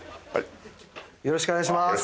よろしくお願いします。